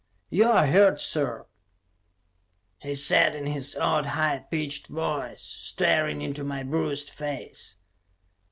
"You're hurt, sir!" he said in his odd, high pitched voice, staring into my bruised face.